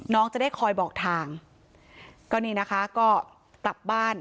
น้องจะได้คอยบอกทางก็นี่นะคะก็กลับบ้าน